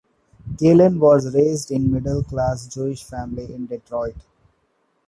Kallen was raised in a middle-class Jewish family in Detroit.